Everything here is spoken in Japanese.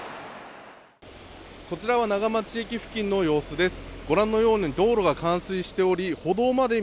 こちらは長町駅付近の様子です。